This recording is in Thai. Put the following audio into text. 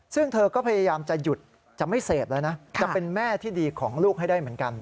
ซึ่งเธอก็พยายามจะหยุดจะไม่เสพแล้วนะจะเป็นแม่ที่ดีของลูกให้ได้เหมือนกัน